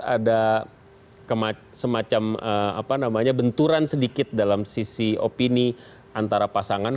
ada semacam benturan sedikit dalam sisi opini antara pasangan